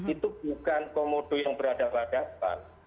itu bukan komodo yang berada di depan